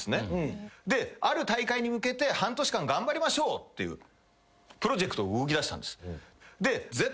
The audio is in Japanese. である大会に向けて半年間頑張りましょうっていうプロジェクト動きだしたんです。